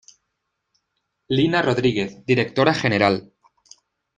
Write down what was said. Lina Rodríguez: Directora General.